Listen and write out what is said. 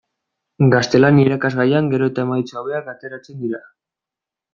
Gaztelania irakasgaian gero eta emaitza hobeak ateratzen dira.